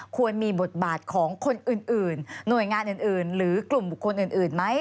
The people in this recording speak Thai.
ควรมีบทบาทของคนอื่นหน่วยงานอื่นหรือกลุ่มบุคคลอื่นไหม